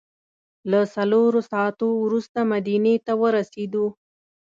له څلورو ساعتو وروسته مدینې ته ورسېدو.